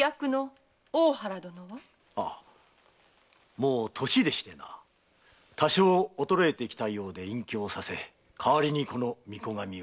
もう年でしてな多少衰えてきたようで隠居をさせ代りにこの御子上を。